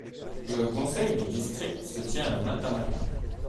Le conseil du district se tient à Matamata.